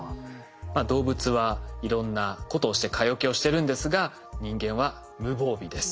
動物はいろんなことをして蚊よけをしてるんですが人間は無防備です。